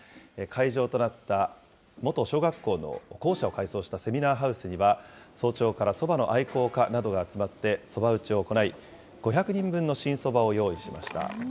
会場となった元小学校の校舎を改装したセミナーハウスには、早朝からそばの愛好家などが集まって、そば打ちを行い、５００人分の新そばを用意しました。